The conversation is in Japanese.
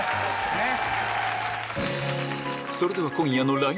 ねっ！